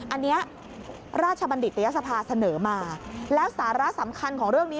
อันนี้ราชบัณฑิตยสภาเสนอมาแล้วสาระสำคัญของเรื่องนี้